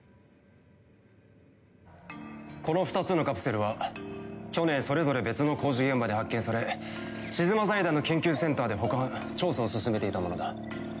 この２つのカプセルは去年それぞれ別の工事現場で発見されシズマ財団の研究センターで保管調査を進めていたものだ。